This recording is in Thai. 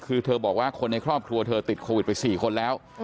คือเธอบอกว่าคนในครอบครัวเธอติดโควิดไป๔คนแล้ว